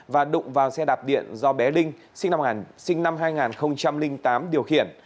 và đụng vào xe đạp điện do bé linh sinh năm hai nghìn tám điều khiển